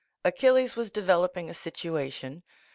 Achilles was developing a situation.